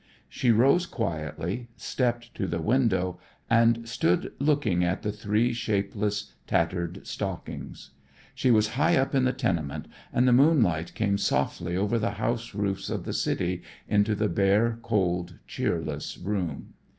She rose quietly, stepped to the window, and stood looking at the three shapeless, tattered stockings. She was high up in the tenement and the moonlight came softly over the house roofs of the city into the bare, cold, cheerless room.